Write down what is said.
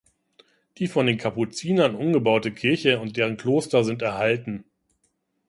Die von den Kapuzinern umgebaute Kirche und deren Kloster sind erhalten.